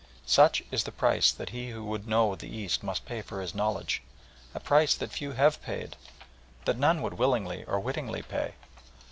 Such is the price that he who would know the East must pay for his knowledge, a price that few have paid, that none would willingly or wittingly pay.